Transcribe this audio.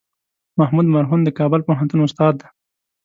محمود مرهون د کابل پوهنتون استاد دی.